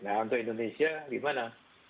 nah untuk indonesia gimana